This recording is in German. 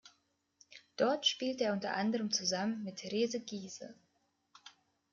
Dort spielte er unter anderem zusammen mit Therese Giehse.